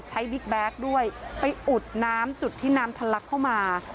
บิ๊กแบ็คด้วยไปอุดน้ำจุดที่น้ำทะลักเข้ามา